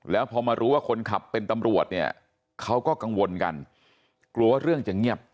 แล้วพอมารู้ว่าคนขับเป็นตำรวจเนี่ยเขาก็กังวลกันกลัวว่าเรื่องจะเงียบ